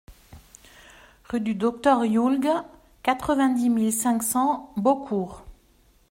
Rue du Docteur Julg, quatre-vingt-dix mille cinq cents Beaucourt